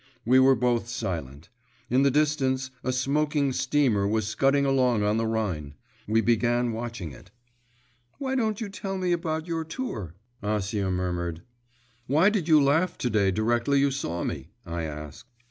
We were both silent. In the distance a smoking steamer was scudding along on the Rhine. We began watching it. 'Why don't you tell me about your tour?' Acia murmured. 'Why did you laugh to day directly you saw me?' I asked.